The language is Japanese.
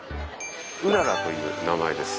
うららという名前です。